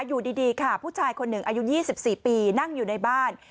อยู่ดีค่ะผู้ชายคนหนึ่งอายุ๒๔ปีนั่งอยู่ในบ้าน